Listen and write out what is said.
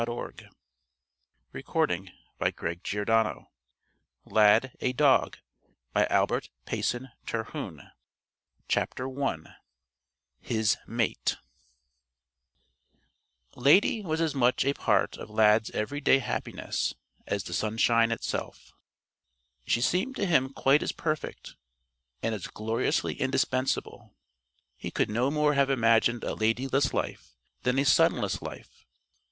WOLF 297 XII. IN THE DAY OF BATTLE 321 AFTERWORD 347 LAD: A DOG CHAPTER I HIS MATE Lady was as much a part of Lad's everyday happiness as the sunshine itself. She seemed to him quite as perfect, and as gloriously indispensable. He could no more have imagined a Ladyless life than a sunless life.